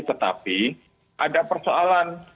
tetapi ada persoalan